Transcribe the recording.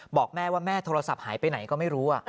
บอกแม่ว่าแม่โทรศัพท์หายไปไหนก็ไม่รู้